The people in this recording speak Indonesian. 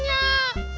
ngusuk gigi dong